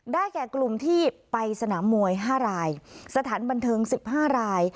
ได้แก่กลุ่มที่ไปสนามวยห้ารายสถานบันเทิงสิบห้าราย